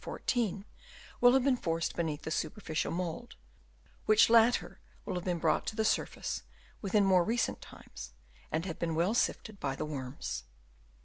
14, will have been formed beneath the superficial mould, which latter will have been brought to the surface within more recent times, and have been well sifted by the worms.